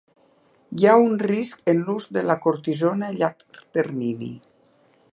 Hi ha un risc en l'ús de la cortisona a llarg termini.